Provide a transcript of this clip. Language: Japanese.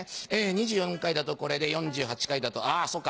２４ 回だとこれで４８回だとあぁそうか。